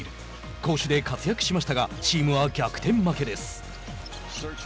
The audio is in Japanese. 攻守で活躍しましたがチームは逆転負けです。